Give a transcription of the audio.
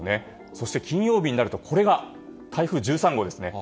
そして金曜日になるとこれが台風１３号ですね